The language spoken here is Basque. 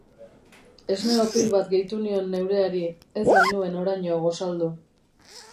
Esne-opil bat gehitu nion neureari, ez bainuen oraino gosaldu.